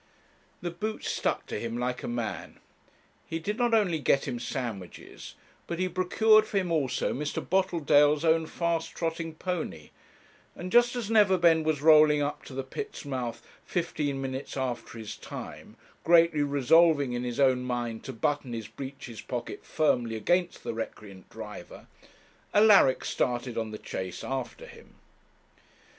The boots stuck to him like a man. He did not only get him sandwiches, but he procured for him also Mr. Boteldale's own fast trotting pony, and just as Neverbend was rolling up to the pit's mouth fifteen minutes after his time, greatly resolving in his own mind to button his breeches pocket firmly against the recreant driver, Alaric started on the chase after him.